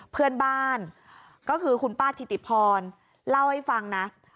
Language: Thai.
เพื่อนบ้านก็คือคุณป้าถิติพรเล่าให้ฟังนะ